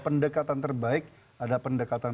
pendekatan terbaik ada pendekatan